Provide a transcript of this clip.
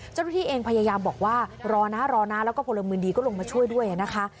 เจ้าพิธีเองพยายามบอกว่ารอน่ารอน่าแล้วก็ผลมือดีก็ลงมาช่วยด้วยนะคะ